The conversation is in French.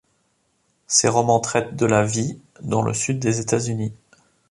Ses romans traitent de la vie dans le Sud des États-Unis.